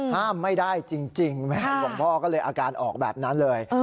ห้ามไม่ได้จริงหลวงพ่อก็เลยอาการออกแบบนั้นเลย